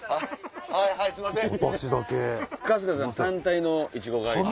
単体のいちご狩り。